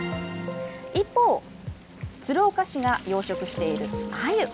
一方、鶴岡市が養殖しているアユ。